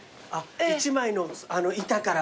１枚の板から。